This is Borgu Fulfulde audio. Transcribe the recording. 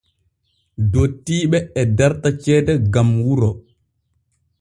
Dottiiɓe e darta ceede gam wuro.